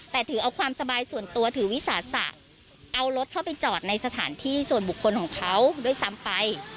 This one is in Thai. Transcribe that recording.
แต่ถือเอาความสบายส่วนตัวถือวิสาสะเอารถเข้าไปจอดในสถานที่ส่วนบุคคลของเขาด้วยซ้ำไป